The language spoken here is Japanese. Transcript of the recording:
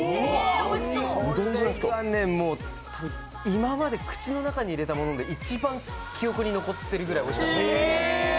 これがね、もう今まで口の中に入れたもので一番記憶に残っているぐらいおいしかったんですよ。